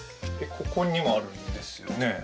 ここにもあるんですよね。